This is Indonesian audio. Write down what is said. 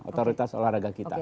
otoritas olahraga kita